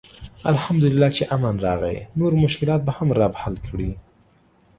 الحمدالله چې امن راغی، نور مشکلات به هم رب حل کړي.